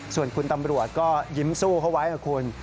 ส่วนคุณตำรวจก็ยิ้มสู้เขาไว้นะคุณ